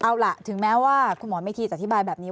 เอาล่ะถึงแม้ว่าคุณหมอเมธีจะอธิบายแบบนี้